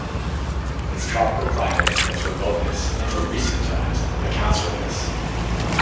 Its tropical climate and its remoteness until recent times accounts for this.